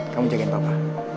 kamu jagain papa